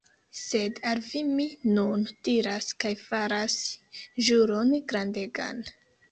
Sed al vi mi nun diras kaj faras ĵuron grandegan.